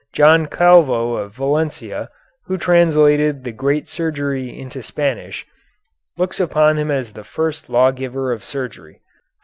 John Calvo of Valencia, who translated the "Great Surgery" into Spanish, looks upon him as the first law giver of surgery.